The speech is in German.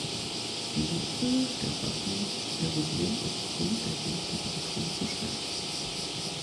Die Läufe der Waffen erodierten aufgrund der hohen Temperaturen zu schnell.